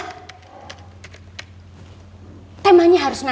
ini bukannya sirup